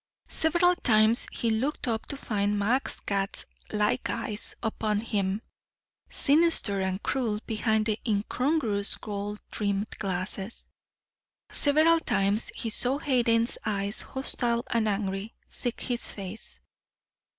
Several times he looked up to find Max's cat like eyes upon him, sinister and cruel behind the incongruous gold rimmed glasses; several times he saw Hayden's eyes, hostile and angry, seek his face.